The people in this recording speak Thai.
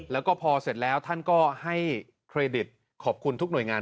แล้วก็พอเสร็จแล้วท่านก็ให้เครดิตขอบคุณทุกหน่วยงาน